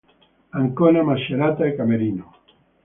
Ancona, Macerata e Camerino